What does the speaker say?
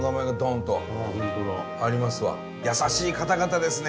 優しい方々ですね。